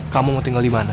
kamu mau tinggal dimana